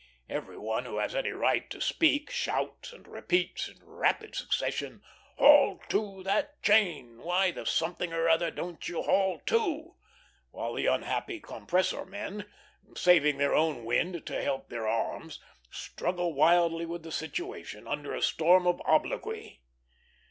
Every one who has any right to speak shouts, and repeats, in rapid succession, "Haul to that chain! Why the something or other don't you haul to?" while the unhappy compressor men, saving their own wind to help their arms, struggle wildly with the situation, under a storm of obloquy.